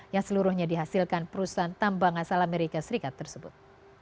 yang seluruhnya dihasilkan perusahaan tambang asal amerika serikat tersebut